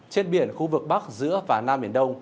trên biển khu vực bắc giữa và nam biển đông